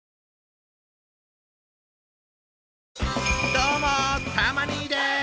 どうもたま兄です。